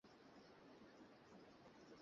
কথা বললেন না যে?